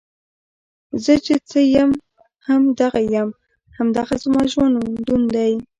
زۀ چې څۀ يم هم دغه يم، هـــم دغه زمـا ژونـد ون دی